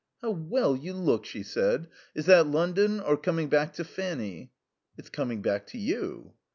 "How well you look," she said. "Is that London or coming back to Fanny?" "It's coming back to you."